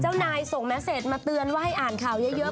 นายส่งแมสเซตมาเตือนว่าให้อ่านข่าวเยอะ